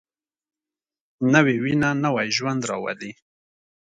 نوې وینه نوی ژوند راولي